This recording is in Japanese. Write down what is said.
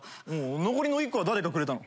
残りの１個は誰がくれたの？